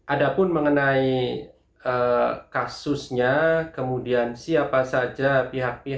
ada pun mengenai kasusnya kemudian siapa saja pihak pihak